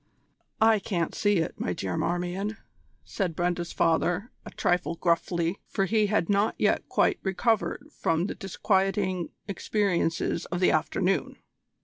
"I can't see it, my dear Marmion," said Brenda's father a trifle gruffly, for he had not yet quite recovered from the disquieting experiences of the afternoon.